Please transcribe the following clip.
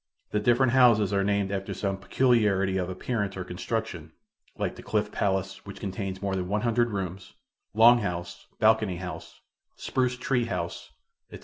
The different houses are named after some peculiarity of appearance or construction, like the Cliff Palace, which contains more than one hundred rooms, Long House, Balcony House, Spruce Tree House, etc.